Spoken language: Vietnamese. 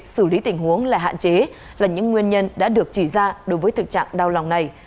xử lý tình huống là hạn chế là những nguyên nhân đã được chỉ ra đối với thực trạng đau lòng này